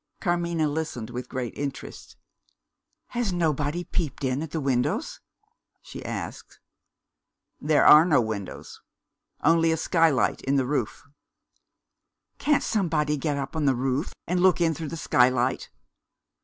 Carmina listened with great interest: "Has nobody peeped in at the windows?" she asked. "There are no windows only a skylight in the roof." "Can't somebody get up on the roof, and look in through the skylight?"